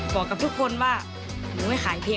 บอกกับทุกคนว่าหนูไม่ขายเพลง